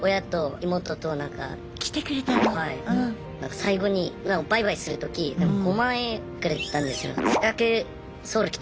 最後にバイバイする時５万円くれたんですよ。